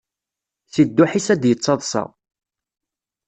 Si dduḥ-is ad d-yettaḍṣa.